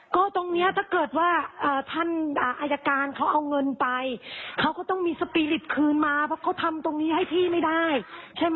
ก็ตรงนี้ถ้าเกิดว่าท่านอายการเขาเอาเงินไปเขาก็ต้องมีสปีริตคืนมาเพราะเขาทำตรงนี้ให้พี่ไม่ได้ใช่ไหม